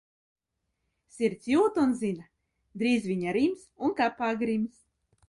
Sirds jūt un zina, drīz viņa rims un kapā grims.